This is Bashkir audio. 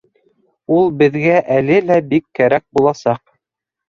Ул беҙгә әле лә бик кәрәк буласаҡ.